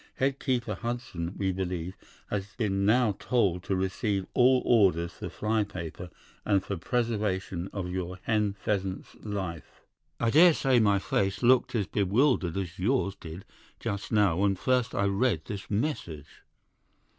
'Head keeper Hudson, we believe, has been now told to receive all orders for fly paper and for preservation of your hen pheasant's life.' "I daresay my face looked as bewildered as yours did just now when first I read this message.